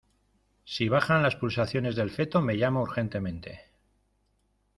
si bajan las pulsaciones del feto, me llama urgentemente.